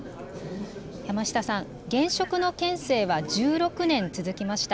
山下さん、現職の県政は１６年続きました。